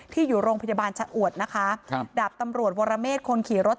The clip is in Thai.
ที่อยู่โรงพยาบาลชะอวดนะคะเกี่ยวกับตำรวจโวรเมฆคนขี่รถ